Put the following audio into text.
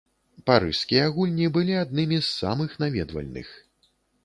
Парыжскія гульні былі аднымі з самых наведвальных.